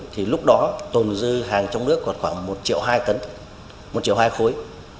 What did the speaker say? thì lúc đó tồn dư hàng trong nước có khoảng một triệu hai khối